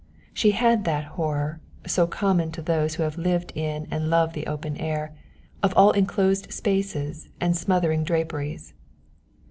She had that horror, so common to those who have lived in and love the open air, of all enclosed spaces and smothering draperies.